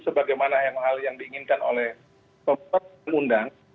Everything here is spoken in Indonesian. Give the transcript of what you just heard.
sebagaimana hal yang diinginkan oleh kompeten undang